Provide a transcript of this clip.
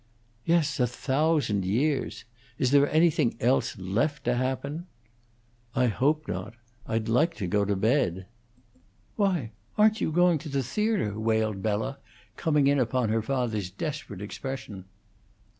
"Yes, a thousand years. Is there anything else left to happen?" "I hope not. I'd like to go to bed." "Why, aren't you going to the theatre?" wailed Bella, coming in upon her father's desperate expression.